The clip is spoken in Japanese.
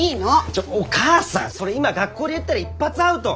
ちょっお母さんそれ今学校で言ったら一発アウト。